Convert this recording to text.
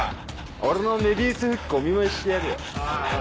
俺の愛美愛主フックお見舞いしてやるよ。